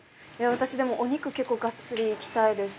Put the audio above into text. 私、でも、お肉、がっつりいきたいです。